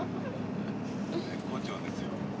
絶好調ですよ。